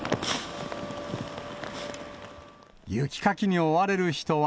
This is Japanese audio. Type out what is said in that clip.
雪かきに追われる人は。